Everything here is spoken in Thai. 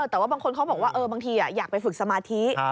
แต่ว่าบางคนเขาบอกว่าบางทีอยากไปฝึกสมาธิ